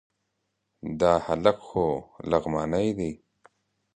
دا هلک خو لغمانی دی...